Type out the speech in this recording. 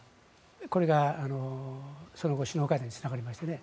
これがその後、首脳会談につながりましたね。